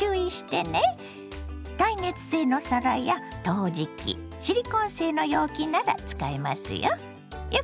耐熱性の皿や陶磁器シリコン製の容器なら使えますよ。